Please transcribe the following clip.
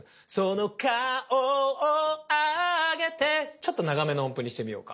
ちょっと長めの音符にしてみようか。